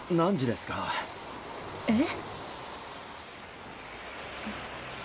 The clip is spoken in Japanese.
えっ？